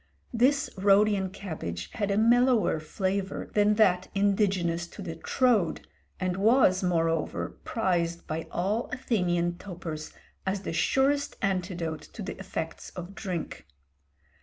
This Rhodian cabbage had a mellower flavour than that indigenous to the Troad, and was, moreover, prized by all Athenian topers as the surest antidote to the effects of drink.